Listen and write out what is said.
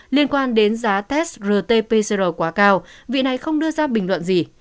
liên quan đến giá test rt pcr quá cao vị này không đưa ra bình luận gì